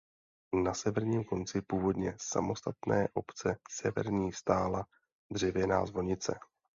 Na severním konci původně samostatné obce Severní stála dřevěná zvonice.